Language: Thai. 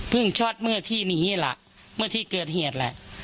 เพิ่งช็อตเมื่อที่หนีล่ะเมื่อที่เกิดเหตุล่ะ